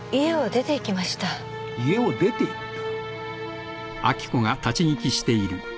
家を出ていった？